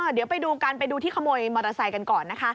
เดี๋ยวไปดูกันไปดูที่ขโมยมอเตอร์ไซค์กันก่อนนะคะ